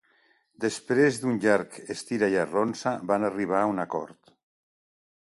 Després d'un llarg estira-i-arronsa van arribar a un acord.